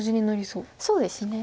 そうですね。